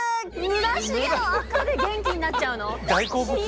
村重のアカで元気になっちゃうの？